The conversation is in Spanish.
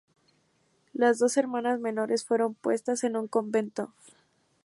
Las dos hermanas menores fueron puestas en un convento.